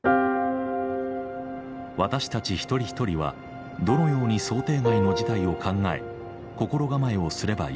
私たち一人一人はどのように想定外の事態を考え心構えをすればいいのか。